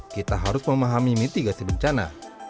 kita harus memahami mitigasi bencana